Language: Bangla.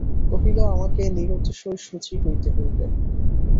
কহিল, আমাকে নিরতিশয় শুচি হইতে হইবে।